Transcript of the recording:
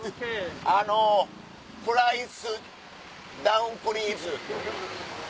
あのプライスダウンプリーズ。